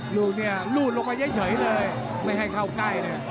ลูกเนี่ยรูดลงมาเฉยเลยไม่ให้เข้าใกล้เลย